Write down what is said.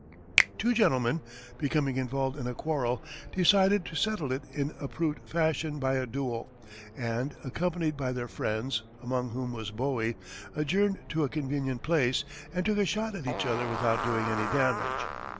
Two gentlemen, becoming involved in a quarrel, decided to settle it in approved fashion by a duel, and, accompanied by their friends, among whom was Bowie, adjourned to a convenient place and took a shot at each other without doing any damage.